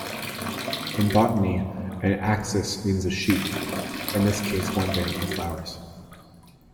In botany, an "axis" means a shoot, in this case one bearing the flowers.